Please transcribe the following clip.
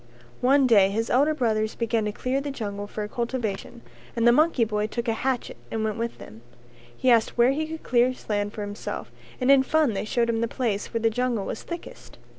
One day his elder brothers began to clear the jungle for cultivation and the monkey boy took a hatchet and went with them; he asked where he could clear land for himself and in fun they showed him the place where the jungle was thickest.